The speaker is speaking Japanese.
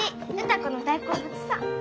歌子の大好物さ。